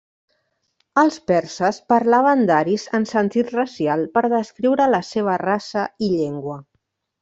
Els perses parlaven d'aris en sentit racial per descriure la seva raça i llengua.